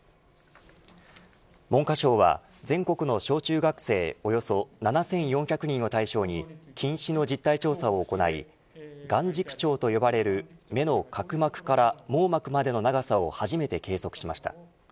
文科省は全国の小中学生およそ７４００人を対象に近視の実態調査を行い眼軸長と呼ばれる目の角膜から網膜までの長さを初めて計測しました。